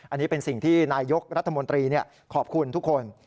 อันนี้เป็นสิ่งที่นายยกรัฐมนตรีขอบคุณทุกคน